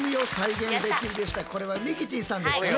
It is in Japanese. これはミキティさんですかね。